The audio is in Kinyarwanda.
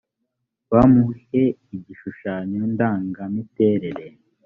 bamuhe igishushanyo ndangamiterere